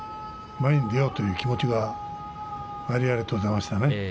前に出ようという気持ちがありありと出ました。